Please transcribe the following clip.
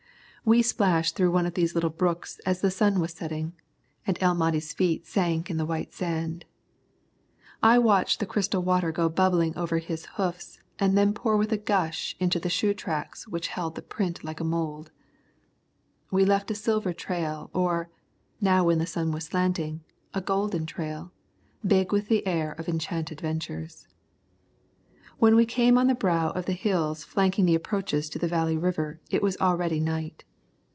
We splashed through one of these little brooks as the sun was setting, and El Mahdi's feet sank in the white sand. I watched the crystal water go bubbling over his hoofs and then pour with a gush into the shoe tracks which held the print like a mould. We left a silver trail or, now when the sun was slanting, a golden trail, big with the air of enchanted ventures. When we came on the brow of the hills flanking the approaches to the Valley River it was already night.